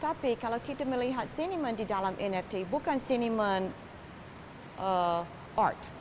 tapi kalau kita melihat siniman di dalam energi bukan seniman art